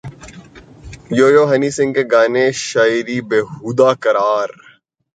you Yo Honey Singh کے گانے کی شاعری بیہودہ قرار